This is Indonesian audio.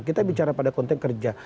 kita bicara pada konteks kerja